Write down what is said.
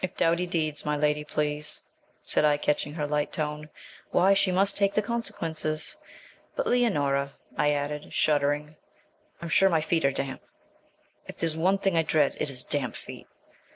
'If doughty deeds my lady please,' said I, catching her light tone, 'why, she must take the consequences. But, Leonora,' I added, shuddering, 'I'm sure my feet are damp.' If there is one thing I dread it is damp feet.